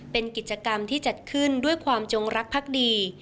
เป็นกิจกรรมที่จัดขึ้นด้วยความจงรักพักดี